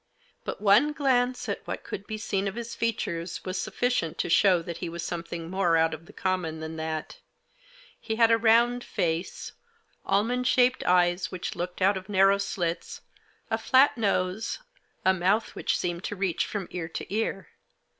But one glance at what could be seen of his features was sufficient to show that he was something more out of the common than that. He had a round face ; almond shaped eyes which looked out of narrow slits ; a flat nose ; a mouth which seemed to reach from ear to ear.